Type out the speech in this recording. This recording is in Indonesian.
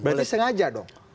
berarti sengaja dong